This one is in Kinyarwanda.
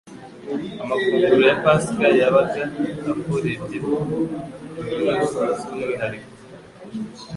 Amafunguro ya Pasika yabaga afurebyemo inyungu z'umwihariko,